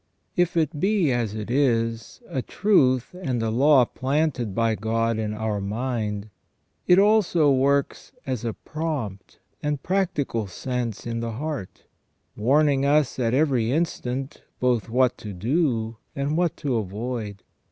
If it be, as it is, a truth and a law planted by God in our mind, it also works as a prompt and practical sense in the heart, warning us, at every instant, both what to do and what to avoid.